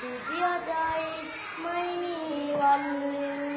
บุตรใจทุกคนน้ำตาทวนใจ